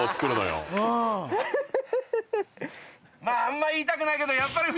まああんま言いたくないけど。